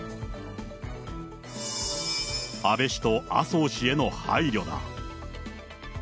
安倍氏と麻生氏への配慮だ。